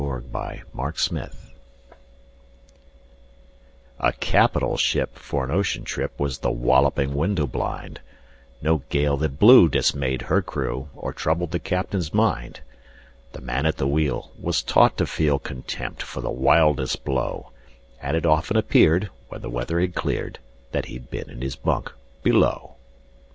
Y Z A Nautical Ballad A CAPITAL ship for an ocean trip Was The Walloping Window blind No gale that blew dismayed her crew Or troubled the captain's mind. The man at the wheel was taught to feel Contempt for the wildest blow, And it often appeared, when the weather had cleared, That he'd been in his bunk below.